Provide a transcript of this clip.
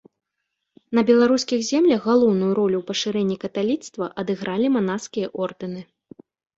На беларускіх землях галоўную ролю ў пашырэнні каталіцтва адыгралі манаскія ордэны.